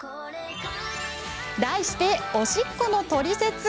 題して、おしっこのトリセツ。